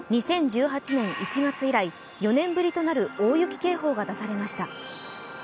２０１８年１月以来４年ぶりとなる大雪警報が出されました。